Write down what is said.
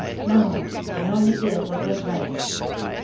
No, I only did wha«t was right."